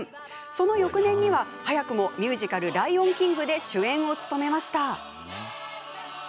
その翌年には早くもミュージカル「ライオンキング」で主演を務めました。